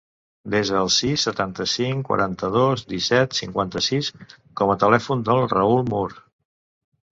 Desa el sis, setanta-cinc, quaranta-dos, disset, cinquanta-sis com a telèfon del Raül Moore.